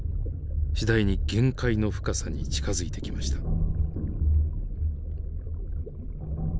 次第に限界の深さに近づいてきました。